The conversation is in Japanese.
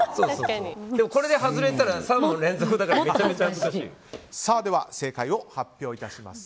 これで外れたら３問連続だからそれでは正解を発表します。